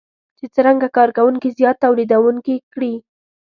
چې څرنګه کار کوونکي زیات توليدونکي کړي.